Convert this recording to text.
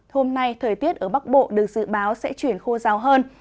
hôm nay thời tiết ở bắc bộ được dự báo sẽ chuyển khô rào hơn